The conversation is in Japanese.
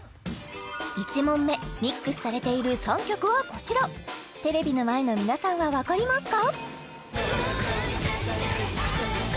１問目ミックスされている３曲はこちらテレビの前の皆さんはわかりますか？